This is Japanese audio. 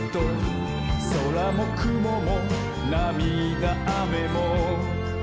「そらもくももなみだあめも」